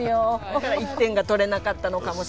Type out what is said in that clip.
だから１点が取れなかったのかも。